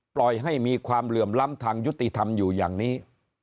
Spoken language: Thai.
ปล่อยให้มีความเหลื่อมล้ำทางยุติธรรมอยู่อย่างนี้